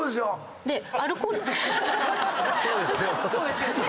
そうですよね。